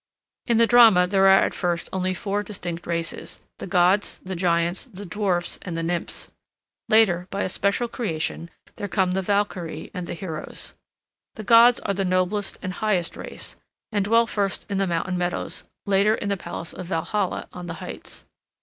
In the drama there are at first only four distinct races, the gods, the giants, the dwarfs, and the nymphs. Later, by a special creation, there come the valkyrie and the heroes. The gods are the noblest and highest race, and dwell first in the mountain meadows, later in the palace of Valhalla on the heights.